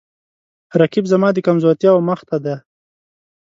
رقیب زما د کمزورتیاو مخ ته دی